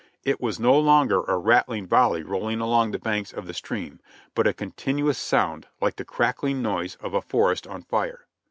It was no longer a rattling volley rolling along the banks of the stream, but a continuous sound like the crackling noise of a forest on fire.